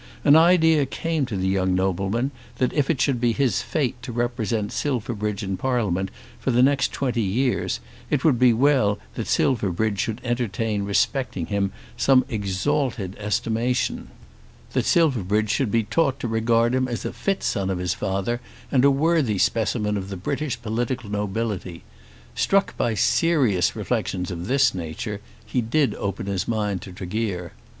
An idea came to the young nobleman that if it should be his fate to represent Silverbridge in Parliament for the next twenty years, it would be well that Silverbridge should entertain respecting him some exalted estimation, that Silverbridge should be taught to regard him as a fit son of his father and a worthy specimen of the British political nobility. Struck by serious reflections of this nature he did open his mind to Tregear.